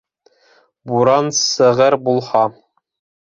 Буран сығыр булһа.